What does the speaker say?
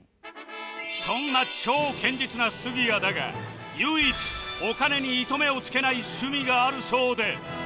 そんな超堅実な杉谷だが唯一お金に糸目をつけない趣味があるそうで